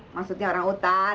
maksudnya orang utan